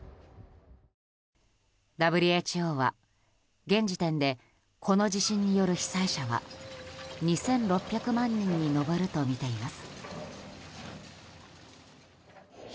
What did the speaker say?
ＷＨＯは現時点でこの地震による被災者は２６００万人に上るとみています。